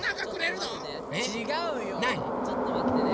ちょっとまってね。